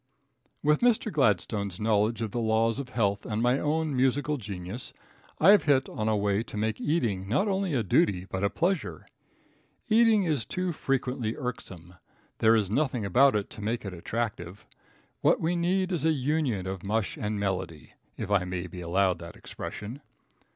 With Mr. Gladstone's knowledge of the laws of health and my own musical genius, I have hit on a way to make eating not only a duty, but a pleasure. Eating is too frequently irksome. There is nothing about it to make it attractive. What we need is a union of mush and melody, if I may be allowed that expression.